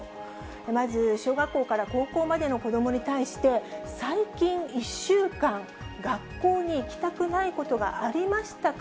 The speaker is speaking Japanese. まず、小学校から高校までの子どもに対して、最近１週間、学校に行きたくないことがありましたか？